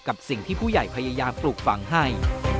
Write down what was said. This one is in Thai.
กับสิ่งที่ผู้ใหญ่พยายามปลูกฝังให้